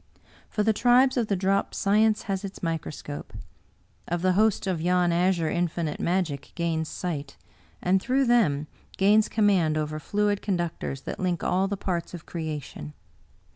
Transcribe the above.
For the tribes of the drop science has its mi croscope. Of the host of yon azure Infinite magic gains sight, and through them gains command over fluid con ductors that link all the parts of creation.